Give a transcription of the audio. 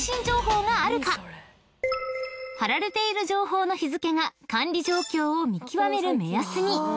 ［張られている情報の日付が管理状況を見極める目安に］